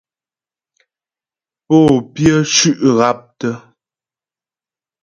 Pô pyə́ cʉ́' haptə.